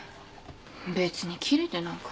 別にキレてなんか。